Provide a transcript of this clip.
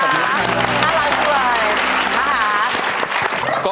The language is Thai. ขอบคุณครับ